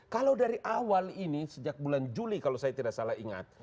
kalau dari awal ini sejak bulan juli kalau saya tidak salah ingat